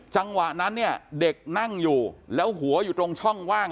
จังหวะนั้นเนี่ยเด็กนั่งอยู่แล้วหัวอยู่ตรงช่องว่าง